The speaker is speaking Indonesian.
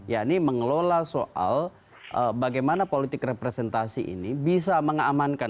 yakni mengelola soal bagaimana politik representasi ini bisa mengamankan